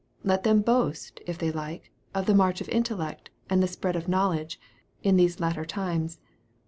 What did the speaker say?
Let them boast, if they like, of the march of intellect, and the spread of knowledge, in these latter times.